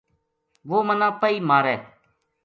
وہ منا پیئے مارے